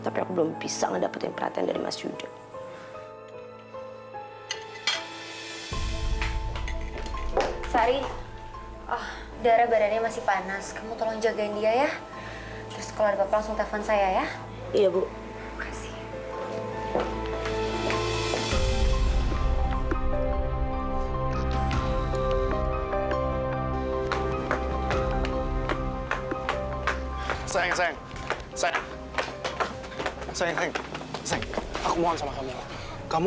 tapi aku belum bisa ngedapetin perhatian dari mas yuda